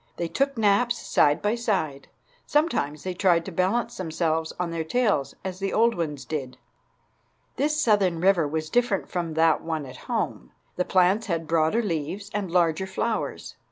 They took naps side by side. Sometimes they tried to balance themselves on their tails, as the old ones did. This southern river was different from that one at home. The plants had broader leaves and larger flowers.